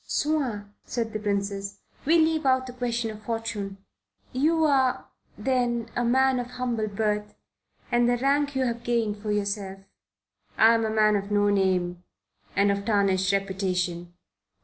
"Soit," said the Princess, "we leave out the question of fortune. You are then a man of humble birth, and the rank you have gained for yourself." "I am a man of no name and of tarnished reputation.